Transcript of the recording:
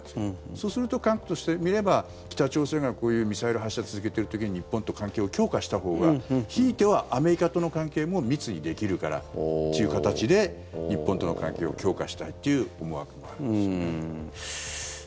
そうすると韓国としてみれば北朝鮮がこういうミサイル発射を続けてる時に日本と関係を強化したほうがひいてはアメリカとの関係も密にできるからっていう形で日本との関係を強化したいという思惑もあるんですね。